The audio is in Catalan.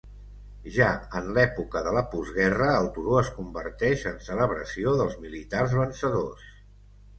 Ja en l'època de la postguerra el turó es converteix en celebració dels militars vencedors.